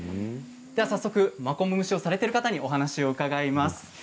早速、マコモ蒸しをされてる方にお話を伺います。